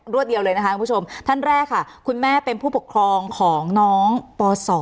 วดเดียวเลยนะคะคุณผู้ชมท่านแรกค่ะคุณแม่เป็นผู้ปกครองของน้องป๒